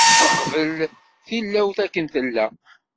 Nqebbel tilawt akken tella.